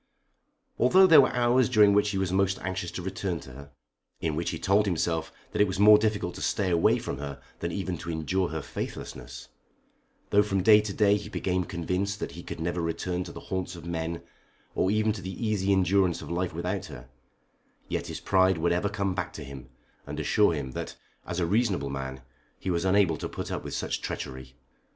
Although there were hours during which he was most anxious to return to her, in which he told himself that it was more difficult to stay away from her than even to endure her faithlessness; though from day to day he became convinced that he could never return to the haunts of men or even to the easy endurance of life without her, yet his pride would ever come back to him and assure him that as a reasonable man he was unable to put up with such treachery.